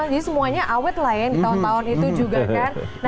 semuanya awet lah ya di tahun tahun itu juga kan